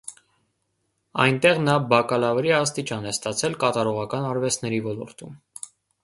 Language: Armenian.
Այնտեղ նա բակալավրի աստիճան է ստացել կատարողական արվեստների ոլորտում։